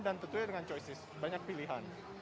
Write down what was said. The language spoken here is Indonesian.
dan tentunya dengan choices banyak pilihan